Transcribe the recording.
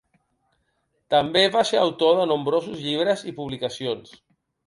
També va ser autor de nombrosos llibres i publicacions.